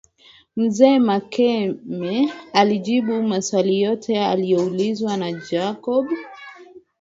Mzee Makame alijibu maswali yote alioulizwa na Jacob